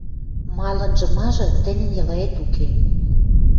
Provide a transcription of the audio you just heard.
Малынжы-мажы — тӹньӹн делаэт уке.